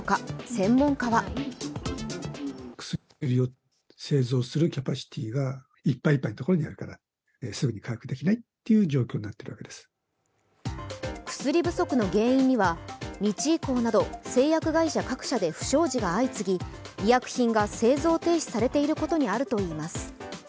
専門家は薬不足の原因には、日医工など製薬会社各社で不祥事が相次ぎ、医薬品が製造停止されていることにあるといいます。